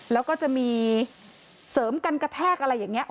แล้วก็จะมีเสริมกันกระแทกอะไรอย่างนี้